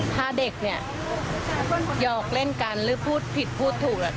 ถ้าเด็กเนี่ยหยอกเล่นกันหรือพูดผิดพูดถูก